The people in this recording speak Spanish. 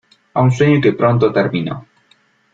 A un sueño que pronto terminó.